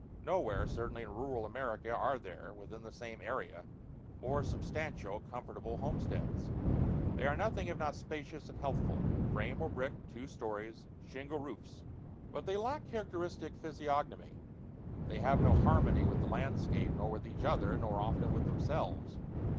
Nowhere, certainly, in rural America, are there, within the same area, more substantial, comfortable homesteads. They are nothing if not spacious and healthful, frame or brick, two stories, shingle roofs. But they lack characteristic physiognomy; they have no harmony with the landscape, nor with each other, nor often with themselves.